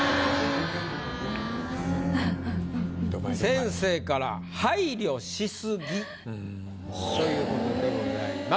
先生から「配慮しすぎ」ということでございます。